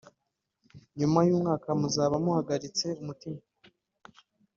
Nyuma y’umwaka muzaba muhagaritse umutima,